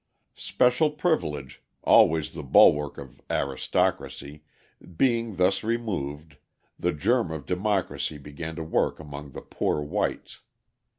Special privilege, always the bulwark of aristocracy, being thus removed, the germ of democracy began to work among the poor whites.